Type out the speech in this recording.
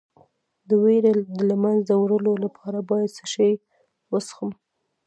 د ویرې د له منځه وړلو لپاره باید څه شی وڅښم؟